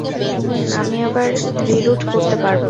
হুম, আমি আবার রি-রুট করতে পারবো।